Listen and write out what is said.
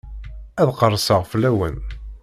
Ad qerseɣ fell-awen.